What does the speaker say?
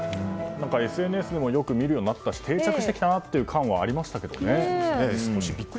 ＳＮＳでもよく見るようになったし定着してきたなという感はありましたけどね。